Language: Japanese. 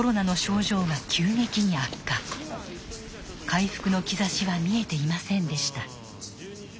回復の兆しは見えていませんでした。